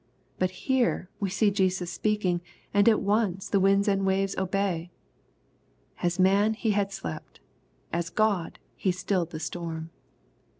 But here we see Jesus speaking, and at once the winds and waves obey ! As man Hejhad slept. As God He stilled the storm.